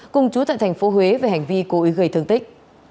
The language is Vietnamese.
cùng chú tại tp hcm về hành vi cố ý gây thương tích